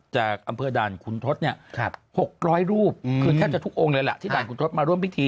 จากอำเภอด่านคุณทศเนี่ย๖๐๐รูปคือแทบจะทุกองค์เลยล่ะที่ด่านคุณทศมาร่วมพิธี